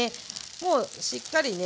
もうしっかりね